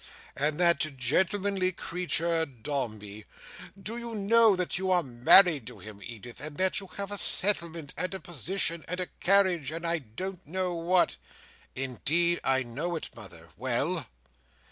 "And that gentlemanly creature, Dombey? Do you know that you are married to him, Edith, and that you have a settlement and a position, and a carriage, and I don't know what?" "Indeed, I know it, mother; well."